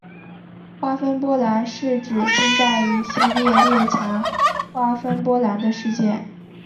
瓜分波兰是指近代一系列列强瓜分波兰的事件。